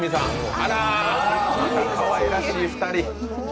あらかわいらしい２人。